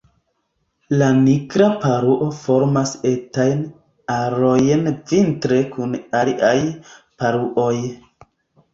La Nigra paruo formas etajn arojn vintre kun aliaj paruoj.